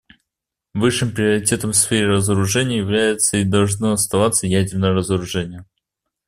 Высшим приоритетом в сфере разоружения является и должно оставаться ядерное разоружение.